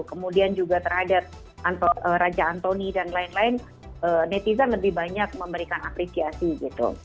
kemudian juga terhadap raja antoni dan lain lain netizen lebih banyak memberikan apresiasi gitu